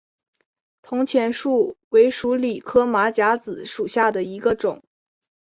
铜钱树为鼠李科马甲子属下的一个种。